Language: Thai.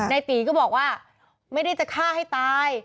ในตีก็บอกว่าไม่ได้จะฆ่าให้ตาย